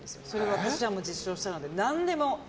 私は実証したので、何でも。